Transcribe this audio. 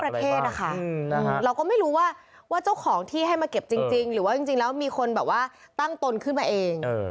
เราก็ไม่รู้ว่าเจ้าของที่ให้มาเก็บจริงหรือว่าจริงแล้วมีคนแบบว่าตั้งตนขึ้นมาเอง